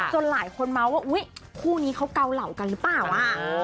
หลายคนเมาส์ว่าอุ๊ยคู่นี้เขาเกาเหล่ากันหรือเปล่า